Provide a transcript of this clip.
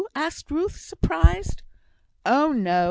asked Ruth, surprised. "Oh, no!